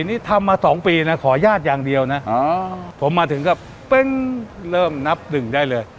นี่ทำมา๒ปีขอยาดอย่างเดียวนะผมมาถึงก็เริ่มนับถึงได้เลย